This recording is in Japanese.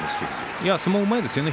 いや相撲がうまいですね